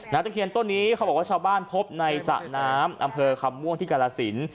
ตะเคียนต้นนี้เขาบอกว่าชาวบ้านพบในสระน้ำอำเภอคำม่วงที่กาลสิน